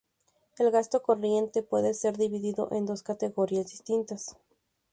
El gasto corriente puede ser dividido en dos categorías distintas.